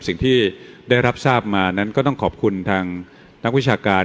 สิ่งที่ได้รับทราบมานั้นก็ต้องขอบคุณทางนักวิชาการ